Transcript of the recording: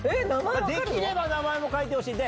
できれば名前も書いてほしい。